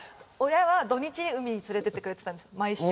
親は土日に海に連れていってくれてたんです毎週。